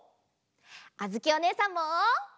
あづきおねえさんも。